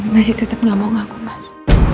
masih tetap nggak mau ngaku mas